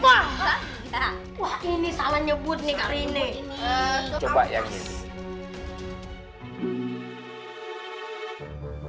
ini salah nyebut nih rine coba ya